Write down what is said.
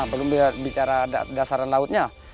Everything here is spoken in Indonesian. belum bicara dasaran lautnya